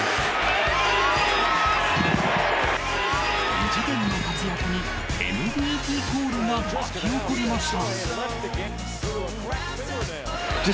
異次元の活躍に、ＭＶＰコールが巻き起こりました。